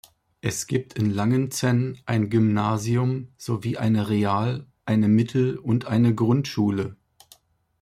Es gibt in Langenzenn ein Gymnasium sowie eine Real-, eine Mittel- und eine Grundschule.